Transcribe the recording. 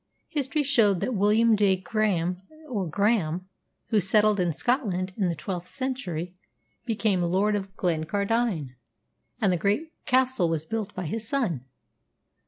History showed that William de Graeme or Graham, who settled in Scotland in the twelfth century, became Lord of Glencardine, and the great castle was built by his son.